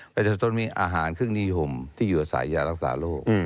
ปัจจัยสี่ต้องมีอาหารเครื่องนิหุ่มที่อยู่อาศัยอย่ารักษาโลก